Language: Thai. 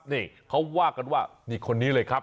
นี่เขาว่ากันว่านี่คนนี้เลยครับ